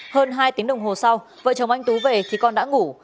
hơn hai tiếng đồng hồ sau vợ chồng anh tú về thì con đã ngủ